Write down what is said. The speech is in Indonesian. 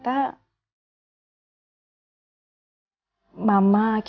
di mana ketika dua orang itu kembali ke rumah